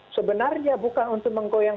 sebenarnya bukan untuk menggoyang